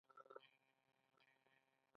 د کلا دیوالونه لوړ وي ترڅو پرده وشي.